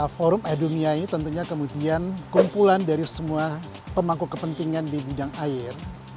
forum adonia ini tentunya kemudian kumpulan dari semua pemangku kepentingan di bidang air